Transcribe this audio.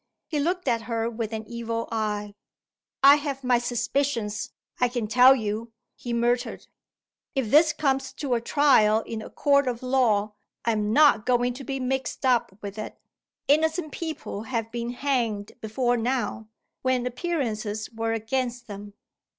He looked at her with an evil eye. "I have my suspicions, I can tell you," he muttered. "If this comes to a trial in a court of law, I'm not going to be mixed up with it. Innocent people have been hanged before now, when appearances were against them."